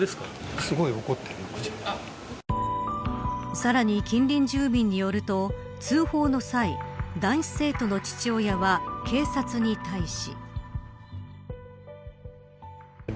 さらに、近隣住民によると通報の際男子生徒の父親は警察に対し。